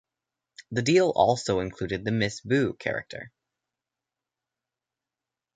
The deal also included the Miss Boo character.